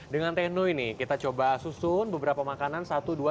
dengan teknu ini kita coba susun beberapa makanan satu dua tiga empat lima enam